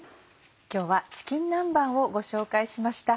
今日は「チキン南蛮」をご紹介しました。